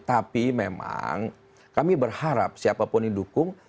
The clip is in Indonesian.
tapi memang kami berharap siapapun yang dukung